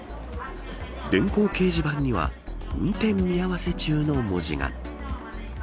電光掲示板には運転見合わせ中の文字が。